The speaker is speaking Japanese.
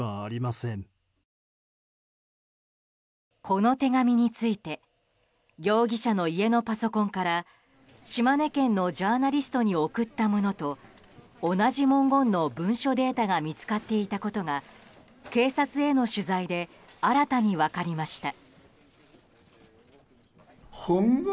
この手紙について容疑者の家のパソコンから島根県のジャーナリストに送ったものと同じ文言の文書データが見つかっていたことが警察への取材で新たに分かりました。